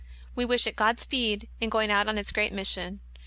We wish it God speed in going out on its great mission.